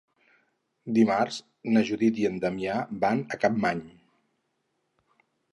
Dimarts na Judit i en Damià van a Capmany.